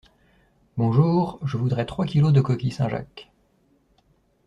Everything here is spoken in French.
Bonjour, je voudrais trois kilos de coquilles Saint-Jacques.